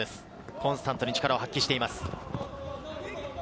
コンスタントに力を発揮しています。